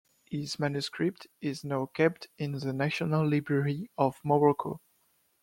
His manuscript is now kept in the National Library of Morocco.